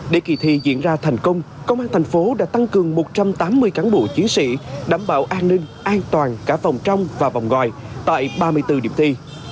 để kỳ thi diễn ra thành công công an thành phố đã tăng cường một trăm tám mươi cán bộ chiến sĩ đảm bảo an ninh an toàn cả vòng trong và vòng ngòi tại ba mươi bốn điểm thi